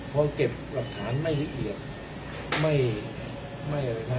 พอเก็บหลักฐานไม่ละเอียด